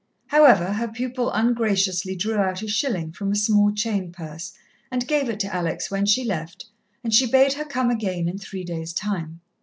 However, her pupil ungraciously drew out a shilling from a small chain purse and gave it to Alex when she left, and she bade her come again in three days' time.